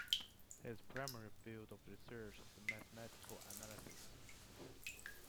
His primary field of research is mathematical analysis.